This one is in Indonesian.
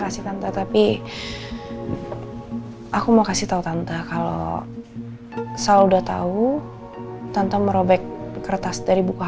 kasih tante tapi aku mau kasih tau tante kalau saya udah tahu tante merobek kertas dari buka